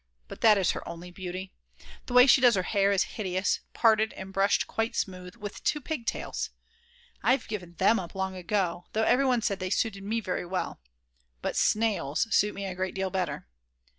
But that is her only beauty. The way she does her hair is hideous, parted and brushed quite smooth, with two pigtails. I've given them up long ago, though everyone said they suited me very well. But "snails" suit me a great deal better.